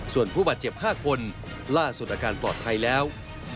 ส่วนผู้บาดเจ็บ๕คนล่าสุดอาการปลอดภัยแล้ว